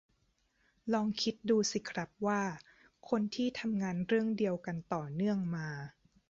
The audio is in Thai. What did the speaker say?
ลองคิดดูสิครับว่า คนที่ทำงานเรื่องเดียวกันต่อเนื่องมา